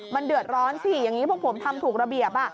มันเดือดร้อนสิอย่างนี้พวกผมทำถูกระเบียบ